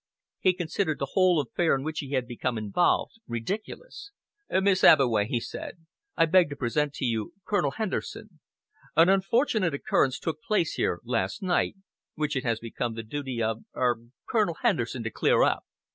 He considered the whole affair in which he had become involved ridiculous. "Miss Abbeway," he said, "I beg to present to you Colonel Henderson. An unfortunate occurrence took place here last night, which it has become the duty of er Colonel Henderson to clear up.